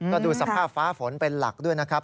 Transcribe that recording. ก็ดูสภาพฟ้าฝนเป็นหลักด้วยนะครับ